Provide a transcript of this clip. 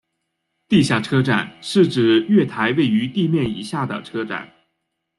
地下车站是指月台位于地面以下的车站。